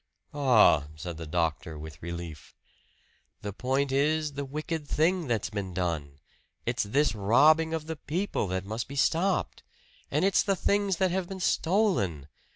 "Ah!" said the doctor with relief. "The point is, the wicked thing that's been done. It's this robbing of the people that must be stopped! And it's the things that have been stolen!